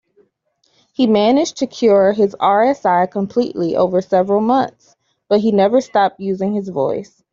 He managed to cure his RSI completely over several months, but he never stopped using his voice.